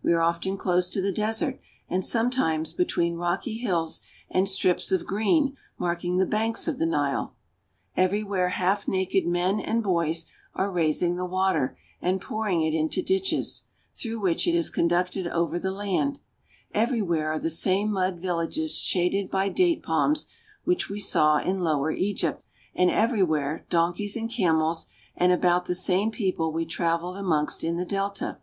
We are often ^^Fclose to the desert and sometimes between rocky hills and ^^M strips of green marking the banks of the Nile. Every ^^1 where half naked men and boys are raising the water and ^^M pouring it into ditches, through which it is conducted ove ^^K the land ; everywhere are the same mud villages shaded by ^^B date palms which we saw in Lower Egypt; and every ^^M where donkeys and camels, and about the same people we ^^m traveled amongst m the delta.